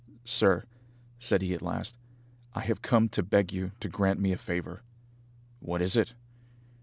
"Sir," said he at last, "I have come to beg you to grant me a favour." "What is it?"